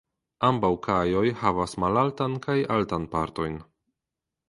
Ambaŭ kajoj havas malaltan kaj altan partojn.